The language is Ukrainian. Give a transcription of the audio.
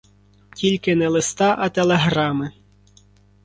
Тільки не листа, а телеграми.